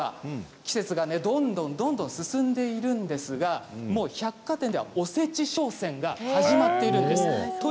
季節はどんどん進んでいるんですが百貨店ではおせち商戦が始まっているんです。